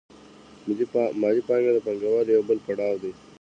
مالي پانګه د پانګوالۍ یو بل پړاو دی